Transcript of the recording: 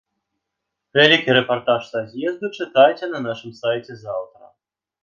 Вялікі рэпартаж са з'езду чытайце на нашым сайце заўтра.